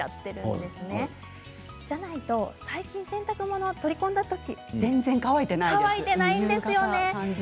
そうじゃないと最近洗濯物を取り込んだときに全然乾いていない。